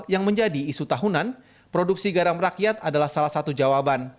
yang menjadi isu tahunan produksi garam rakyat adalah salah satu jawaban